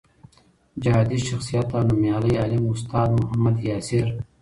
جهادي شخصیت او نومیالی عالم استاد محمد یاسر